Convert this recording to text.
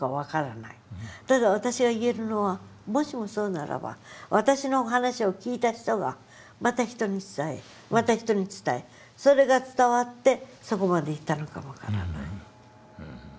ただ私が言えるのはもしもそうならば私の話を聞いた人がまた人に伝えまた人に伝えそれが伝わってそこまで行ったのかも分からない。